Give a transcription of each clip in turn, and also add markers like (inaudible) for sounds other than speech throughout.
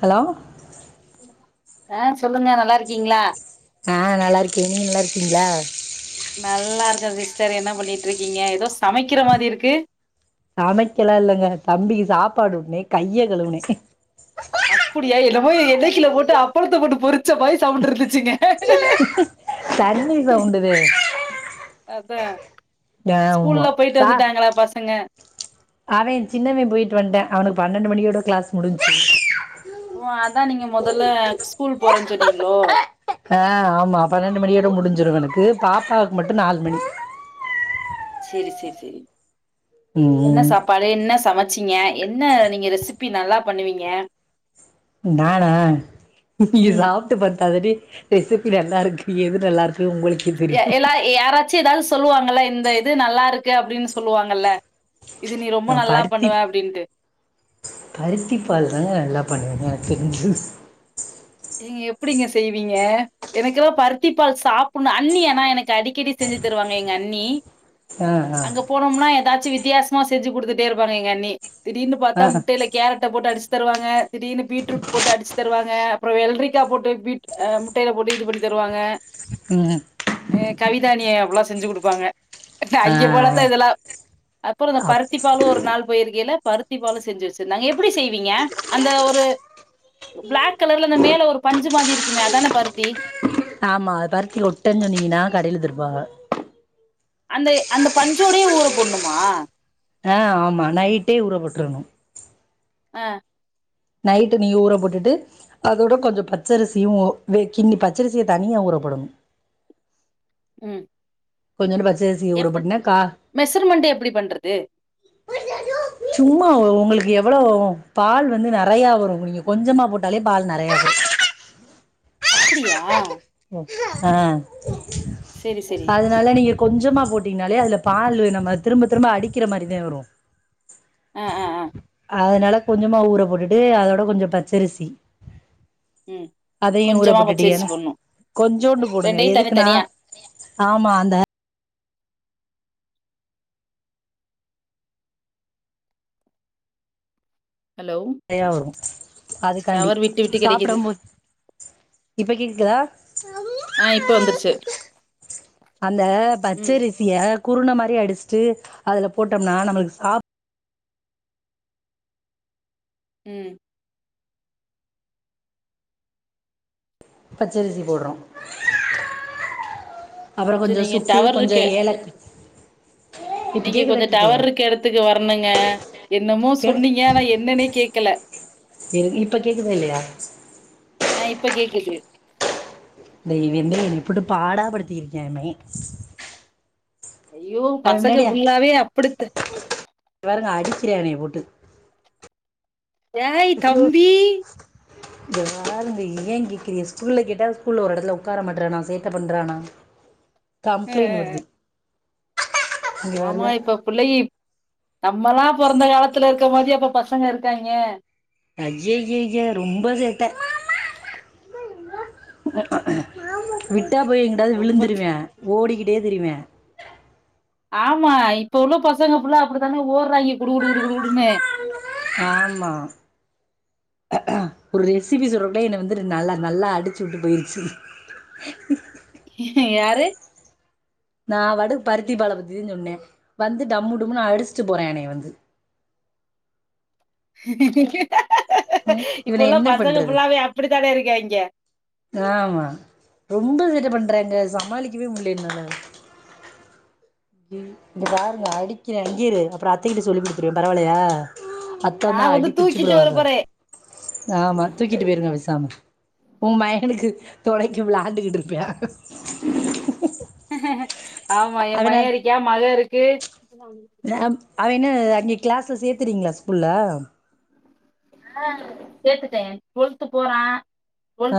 Hello ஆ சொல்லுங்க நல்லா இருக்கீங்ளா ஆ நல்லா இருக்கே நீங்க நல்லா இருக்கீங்ளா நல்லா இருக்க சிஸ்டர் என்ன பண்ணிட்டு இருக்கீங்க ஏதோ சமைக்கிற மாரி இருக்கு சமைக்கலா இல்லங்க தம்பிக்கு சாப்பாடு உட்னே கைய கழுவுனே அப்டியா என்னமோ எண்ணக்குல போட்டு அப்பளத்த போட்டு பொரிச்ச மாரி சவ்ண்டு இருந்துச்சுங்க தண்ணி சவுண்டு தே அதா ஸ்கூல்லூ போயிட்டு வந்துட்டாங்ளா பசங்க அவ சின்னவே போயிட்டு வன்ட்டா அவன்க்கு பன்னெண்டு மணியோட க்ளாஸ் முடிஞ்ச்சு ஓ அதா நீங்க மொதல்ல ஸ்கூல் போறன்னு சொன்னீங்ளோ ஆ ஆமா பன்னெண்டு மணியோட முடிஞ்சிடு இவ்னக்கு பாப்பாக்கு மட்டு நாலு மணி சேரி சேரி சேரி என்ன ம் சாப் பழ என்ன சமச்சிங்க என்ன நீங்க ரெசிப்பி நல்லா பண்ணுவீங்க நானா இங்க ம் சாப் ப்த்தாதடி ரெசிபி நல்லா இருக்கு எது நல்லா இருக்கு உங்களுக்கு எ எல்லா யாராச்சு ஏதாது சொல்லுவாங்கல்ல இந்த இது நல்லா இருக்கு அப்டின் சொல்லுவாங்கல்ல இது நீ ரொம்ப நா நல்லா பருத்தி பண்ணுவ அப்டின்ட்டு பருத்தி பால் தாங்க நல்லா பண்ணுவங்க எனக்கு தெரிஞ்சு நீங்க எப்டிங்க செய்வீங்க எனக்குதா பருத்தி பால் சாப்புட்ணு அண்ணி ஏனா எனக்கு அடிக்கடி செஞ்சு தருவாங்க எங்க அண்ணி ஆ ஆ போனம்னா ஏதாச்சு வித்தியாசமா செஞ்சு கொடுத்துட்டே இருப்பாங்க எங்க அண்ணி திடீர்னு பாத்தா ஆ ஆ முட்டையில கேரட்ட போட்டு அடிச் தருவாங்க திடீர்னு பீட்ரூட் போட்டு அடிச்சு தருவாஹ அப்ரோ வெல்ரிக்கா போட்டு பீட் அ முட்டயில போட்டு இது பண்ணி தருவாங்க (unintelligible) ஏ கவிதா அண்ணி அப்ல்லா செஞ்சு கொடுப்பாங்க ஆ அங்கெ போனத்தா இதெல்லா அப்ரோ இந்த அப் பருத்தி பாலு ஒரு நாள் போய்ருகேலே பருத்தி பால செஞ்சு வச்சிருந்தாங்க எப்டி செய்வீங்க அந்த ஒரு பிளாக் ரெட்கலர்ல அந்த மேல ஒரு பஞ்சு மாதி இருக்குமே அதான பருத்தி ஆமா பருத்தி ஒட்டஞ் சொன்னீங்கன்னா கடைல தருவாஹ அந்தே அந்த பஞ்சோடயே ஊர போட்ண்ணுமா அ ஆமா நைட்டே ஊறப்போட்டுருணு அ நைட்டு நீ ஊற போட்டுட்டு அதோட கொஞ்சோ பச்சரிசியு கிண்ணி பச்சரிசிய தனியா ஊறப்போடணு ம் கொஞ்சோன்டு பச்சரிசி எப் மெசர்மெண்ட் எப்டி பண்றது சும்மா உங்களுக்கு எவ்வளவாவு பால் வந்து நெறைய வரு நீங்க கொஞ்சமா போட்டாலே பால் நெறையா வரு அப்டியா ஆ அத செரி செரி அதனால நீங்க கொஞ்சமா போட்டீங்கன்னாலே அதுல பாலு நம்ம திரும்ப திரும்ப அடிக்கிற மாரிதா வரு ஆ ஆ அ அதனால கொஞ்சமா ஊற போட்டுட்டு அதோட கொஞ்ச பச்சரிசி ம் அதையு ஊற கொஞ்சமா பச்சரிசி போட்டுட்டியல போடணு கொஞ்சோண்டு போடுங்க ரெண்டையு எதுக்குன்னா தனித்தனியா ஆமா அந்த ஹலோ நிறையா வரு அதுக்காண்டி டவர் விட்டு விட்டு கெடைக்குது சாப்பிடம்போது இப்ப கேக்குதா ஆ இப்ப வந்துருச்சு அந்த ம் பச்சரிசு எதாது குருன மாதிரி அடிச்சிட்டு அதுல போட்டோம்னா நம்மளுக்கு சாப்ட் ம் பச்சரிசி போடுறோ அப்புற கொஞ்சோ கொஞ்ச நீங்க சுக்கு டவர் கொஞ்ச இருக்கு ஏல இப்போ கேக்குதா கேகலையா இத்துக்கு வர்ணுங்க என்னமோ கேளு சொன்னீங்க நா என்னன்னே கேக்கல இப்ப கேக்குதா இல்லையா அ இப்ப கேக்குது தய்வ ங்கே என் இப்ட் பாடாப்படுத்திருக்கமே ஐயோ பசங்க ஃபுல்லாவே அப்டிதா இதபாருங்கே அடிக்கிராவே போட்டு டேய் கம்பி இந்த வாளுங்க ஏன் கேக்ரிய ஸ்கூல கேட்டா ஸ்கூல்ல ஒரு எடத்துல உக்கார மாட்றானா சேட்ட பண்றானா கம்ப்ளைண்ட் வருது இங்கே ஆமா பாருங்க இப்ப பிள்ளைய நம்மளா பொறந்த காலத்துல இருக்க மாரியா இப்ப பசங்க இருக்காங்க ஐய்யய்யய்யே ரொம்ப சேட்டே விட்டா போய் எங்கிட்டாவது ரொம்ப விழுந்துருவே ஓடிக்கிட்டே திரிவே ஆமா இப்ப உள்ள பசங்க ஃபுல்லா அப்டித்தானே ஓர்றாங்கே குடு குடு குடு குடுன்னு ஆமா ஒரு எஸ்பி (unintelligible) என்ன வந்து நல்லா நல்லா அடிச்சு விட்டு போயிருச்சு யாரு நா வந்து பருத்தி பால பத்தின்னு சொன்னே வந்து டம்மு டுமுனு அடிச்சிட்டு போறா என்னைய வந்து ம், இவனை இப்பல்லா என்ன பசங்க பண்ணுறது ஃபுல்லாவே அப்படித்தானே இருக்காய்ங்க ஆமா ரொம்ப சேட்ட பண்றாங்க சமாளிக்கவே முடில என்னால இ பாருங்க அடிக்குர இங்கேரு அப்புறோ அத்தைகிட்ட சொல்லி குடுத்துருவே பரவால்லையா அத்த நா தா வந்து அடி தூக்கிட்டு வர பிச்சுப்பிடுவாங்க போறே ஆமா தூக்கிட்டு போயிருங்க பெசாம உன் மையனுக்கு தொணைக்கு விளாண்டுகிட்டு இருப்பே ஆமா என் அவன மையே இருக்கியா மக இருக்கு அவனே அங்கே கிளாஸ்ல சேர்த்துறீங்களா ஸ்கூல்ல ஆ சேர்த்துட்டே டுவெல்த்து போறா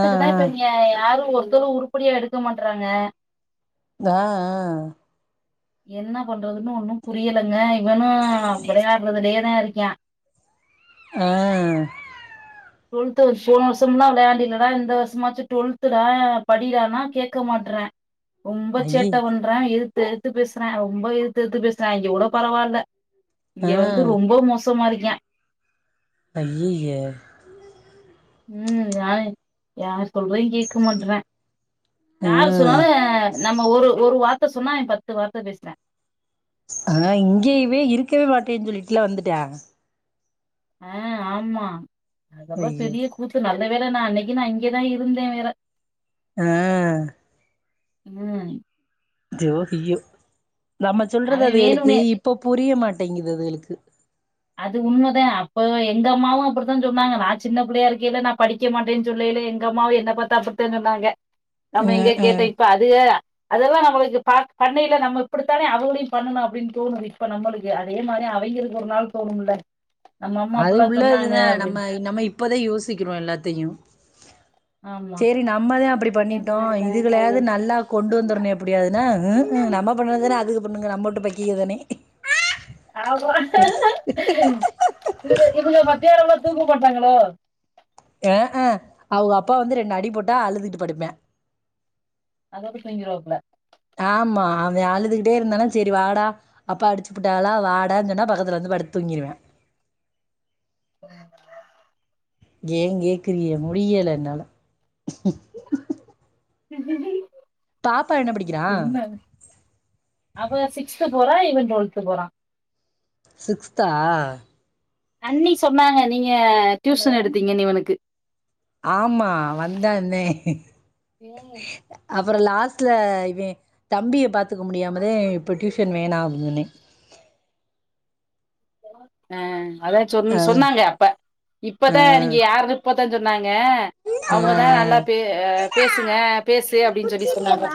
ஆ தா இப்ப இங்க யாரு ஒருத்தரு உருப்படியா எடுக்க மாட்டறாங்க ஆ ஆ என்ன பண்றதுன்னு ஒன்னு புரியலைங்க இவனு வெளயாடுறதுலயே தா இருக்கா ஆ டுவெல்த் போன வருஷம்ல்லாம விளையாண்டி இலடா இந்த வருஷமாச்சு டுவெல்துடா படிடானா கேக்க மாட்றா ரொம்ப ஐயே சேட்ட பண்றா எதுத்து எதுத்து பேசுறா ரொம்ப எதுத்தெத்து பேசுறா இங்க கூட பரவாயில்ல இங்க ஆ வந்து ரொம்ப மோசமா இருக்கா அய்யய்யே ம் யரு யார் சொல்லையு கேட்க மாட்றா ஆ யாரு சொவே நம்ம ஒரு ஒரு வார்த்த சொன்னா பத்து வார்த்தை பேசுறா ஆ இங்கயவே இருக்கவே மாட்டேன்னு சொல்லிட்டுல வந்துட்டா ஆ ஆமா அதல்லா ஐயோ பெரிய கூத்து நல்ல வேல நா அன்னைக்கு நா இங்கேதா இருந்தே வேற அ ம் ஜோஹையோ நம்ப அவ சொல்றது வேணுனே அதுகளுக்கு இப்ப புரிய மாட்டேங்குது அதுகளுக்கு அது உண்மதா அப்ப எங்க அம்மாவு அப்படித்தா சொன்னாங்க நா சின்ன புள்ளையா இருக்கையில்ல நா படி க்க மாட்டேன்னு சொல்லைல எங்க அம்மாவு என்ன பாத்தா அப்படித்தா சொன்னாங்க நம்ம எங்க ம் கேட்ட ம் இப்ப அதுக அதெல்லா நம்பளுக்கு பா பண்ணையில நம்ம இப்படித்தான அவங்களையும் பண்ணணோ அப்படின்னு தோணு இப்ப நம்பளுக் கு அதே மாரி அவைங்களுக்கு ஒரு நாள் தோணும்ல நம்ம அம்மா அது அப்படிலாம் சொன்னாங்க உள்ளதுதா நம்ம அப்படின்னு. நம்ம இப்பதா யோசிக்கிறோ எல்லாத்தையு ஆமா. சேரி நம்மதா அப்படி என் பண்ணிட்டோ ஃபோன் எடுக்காதீங்க இதுகளையாவது அடிக்கடி நல்லா கொண்டு வந்துரே எப்டியாதுனா நம்ம பண்ண தானே அதுகு பண்ணுங் நம்ம வீட்டு பக்கீங்க தானே இ இவுங்க மத்தியானம்ல்லா தூங்க மாட்டாங்களோ அ அ அவுங்க அப்பா வந்து ரெண்டு அடி போட்டா அழுதுகிட்டு படுப்பே அதோட தூங்கிருவாப்ல ஆமா அவ அழுதுகிட்டே இருந்தானா சேரி வாடா அப்பா அடிச்சுபுட்டாங்ளா வாடன்னு சொன்னா பக்கத்துல வந்து படுத்து தூங்கிருவியா உஹ் ஏன் கேக்குறிய முடியல என்னால பாப்பா என்ன படிக்கிறா என்ன அவ சிகஸ்த்து போறா இவ டுவல்த்து போறா சிக்ஸ்த்தா அண்ணி சொன்னாங்க நீங்க டியூசன் எடுத்தீங்கனு இவனுக்கு ஆமா வந்தாந்தே ம் அப்பறோ லாஸ்ட்ல இவே தம்பிய பாத்துக்க முடியாமதே இப்போ டியூஷன் வேண அப்டி சொன்னே ஆ அதா சொன் ஆ சொன்னாங்க அப்ப ஆ இப்பதா நீங்க யாரு இப்பதா சொன்னாங்க ஆ அவுங்கதா நல்லா பே பேசுங்க பேசு அப்டின்னு சொல்லி சொன்னாங்க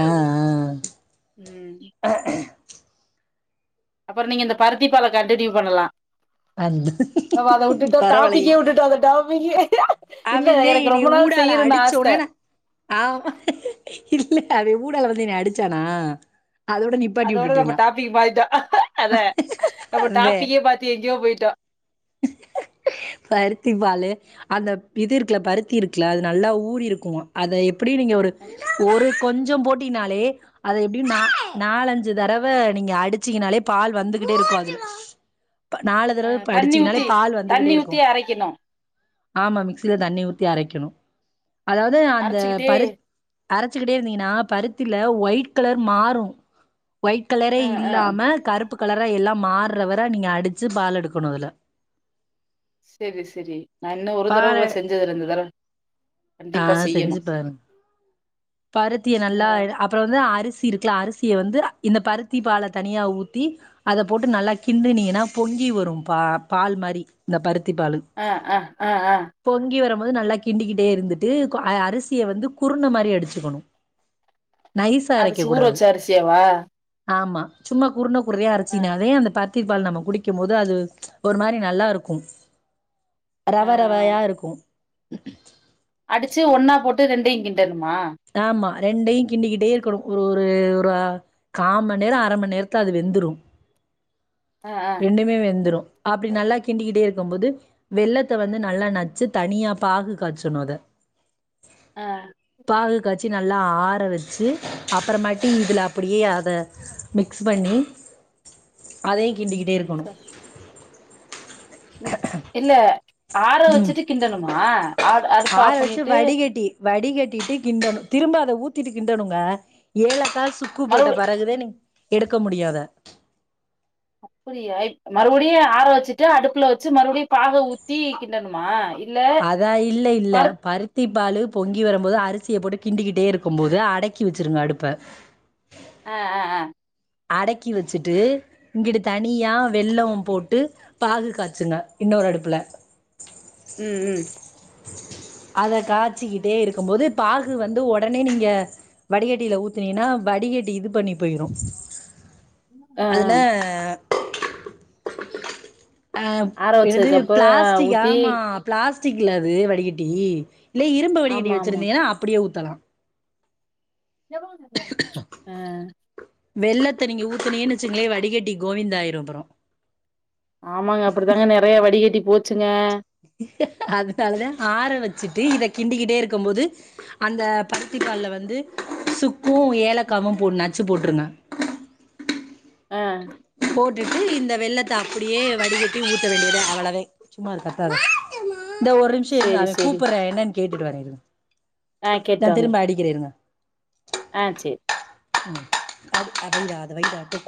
அ அ ம் அப்புறோ நீங்க இந்த பருத்திப்பால கண்டினியூ பண்ணலா அந்த நம்ம அத விட்டுட்டோ பரவாயில்லையே டாபிக்கே விட்டுட்டோ அத டாபிக்கே இல்ல அவந்தே எனக்கு ரொம்ப என்னைய நாள் ஊடால செய்யனுன் ஆச அடிச்சோனே நா ஆ இல்ல அவே ஊடால வந்து என்ன அடிச்சானா அதோட நிப் அதோட நம்ம டாபிக் மாதிட்டோ அத நம்ம அதே டாபிக்கே பாத்து எங்கேயோ போயிட்டோ பருத்தி பாலு அந்த இது இருக்குல பருத்தி இருக்குல அது நல்லா ஊறி இருக்கு அத எப்பிடியு நீங்க ஒரு ஒரு கொஞ்சோ போட் டினாலே அத எப்டியு நா நாலஞ்சு தடவ நீங்க அடிச்சங்கனாலே பால் வந்துகிட்டே இருக்கு அதுல நாலு அ தடவ தண்ணி அடிச்சீங்கனாலே ஊத்தி பால் தண்ணி வந்துகிட்டே இருக்கு ஊத்தி அரைக்கணு ஆமா மிக்சியில தண்ணி ஊத்தி அரைக்கணு அதாவது அந்த அரைச்சுக்கிட்டே பரு அரைச்சுக்கிட்டே இருந்தீங்கன்னா பருத்தில ஒயிட் கலர் மாறு ஒயிட் கலரே ஆ ஆ இல்லாம கருப்பு கலரா எல்லாம் மாறுறவர நீங்க அடிச்சு பால் எடுக்கணு அதுல சரி சரி நா இன்னு ஒரு தடவ பால கூட செஞ்சது இல்ல இந்ததற ஆ செஞ்சு பாருங் பருத்திய நல்லா ஆ அப் பற வந்து அரிசி இருக்குல அரிசிய வந்து இந்த பருத்தி பால தனியா ஊத்தி அத போட்டு நல்லா கிண்டுனிங்னா பொங்கி வரு பா பால் மாரி இந்த பருத்திபாலு ஆ ஆ ஆ ஆ பொங்கி வரம்போது நல்லா கிண்டிக்கிட்டே இருந்து ட்டு அரிசிய வந்து குருண மாரி அடிச்சிக்கணு நைசா அரிசி அரைக்கக் ஊற கூடாது வச்ச அரிசியாவா? ஆமா சும்மா குருண குருணையா ஆ, அரைச்சினாதே அந்த பரு த்தி பால் நம்ம குடிக்கும் போது அது ஒரு மாரி நல்லா இருக்கு ஆ, ரவ ஆ. ரவையா இருக்கு அடிச்சு ஒன்னா போட்டு ரெண்டயு கிண்டணுமா ஆமா ரெண்டையு கிண்டிகிட்டே இருக்கணு ஒரு ஒரு ஒரு அ கா மண் நேர அரை மண் நேரத்துல அது வெந்துரு ஆ, ஆ, ரெண்டுமே வெந்துரு அப்படி நல்லா கிண்டிகிட்டே இருக்கும் போது வெல்லத்த வந்து நல்லா நச்சு தனியா பாகு காச்சணு அத அ பாகு காச்சி நல்லா ஆற வெச்சு அப்புறமாட்டி இதுல அப்படியே அத மிக்ஸ் பண்ணி அதையு கிண்டி கிட்டே இரு ச இல்ல ஆற ம். வெச்சுட்டு கிண்டணுமா அ அடுப்ப ஆஃப் பண்ணிட்டு வடி கட்டிட்டு கிண்டணு திரும்ப அத ஊத்திட்டு கிண்டணுங்க ஏலக்கா சுக் கு போட்ட மறுபடி பெறகுதே நீ எடுக்க முடியு அத அப்படியா இப் மறுவடியு ஆற வெச்சுட்டு அடுப்புல வெச்சு மறுவடியு பாக ஊத்தி கிண்டணுமா இல்ல அதா இல்ல இல்ல பருப் ப ருத்திப்பாலு பொங்கி வரும்போது அரிசிய போட்டு கிண்டிக்கிட்டே இருக்கும்போது அடக்கி வெச்சுருங்க அடுப்ப ஆ ஆ ஆ அடக்கி வச்சுட்டு இங்கிட்டு தனியா வெல்லம் போட்டு பாகு காச்சுங்க இன்னொரு அடுப்புல ம் ம் அத காச்சி கிட்டே இருக்கும் போது பாகு வந்து உடனே நீங்க வடிகட்டில ஊத்துனினா வடிகட்டி இது பண்ணி போயிரு ஆ, ஆ. அதுல ஆ ஆற என்னது வச்சதுக்கப்புறம் பிளஸ்டிக் ஊத்தி ஆமா பிளாஸ்டிக் இல்ல அது வடிகட்டி இல்ல இரும்பு வடிகட்டி ஆமா, ஆமா. வெச்சிருந்தினா அப்படியே ஊத்தலா ஆ வெல்லத்த நீங்க ஊத்துனிங்கன் வெச்சுக்கங்களே வடிகட்டி கோவிந்தா ஆயிரு அப்பற ஆமாங்க அப்டிதாங்க நெறைய வடிகட்டி போச்சுங்க அதுக்காகதே ஆற வெச்சுட்டு இத கிண்டிகிட்டே இருக்கும் போது அந்த பருத்தி பால்ல வந்து சுக்கு ஏலக்காவு போ நச்சு போட்ருங்க ஆ போட்டுட்டு இந்த வெல்லத்த அப்படியே வடிகட்டி ஊத்த வேண்டிதே அவ்வளதோ இந்த ஒரு நிமிஷ இருங்க சரி, அவ சரி. கூப்பறே என்னன் கேட்டுட்டு வரே இருங்க ஆ கேட்டு வாங்க. இரு இருங்க ஆ சேரி அத வய்டா அத வய்டா குத்